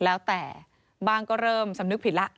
แล้วแต่บ้างก็เริ่มสำนึกผิดแล้ว